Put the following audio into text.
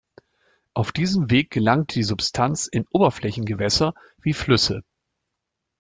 Auf diesem Weg gelangt die Substanz in Oberflächengewässer wie Flüsse.